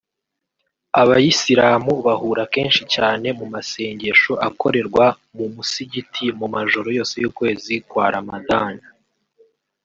Abayisilamu bahura kenshi cyane mu masengesho akorerwa mu musigiti mu majoro yose y’ukwezi kwa Ramadhan